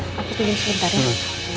aku pilih sebentar ya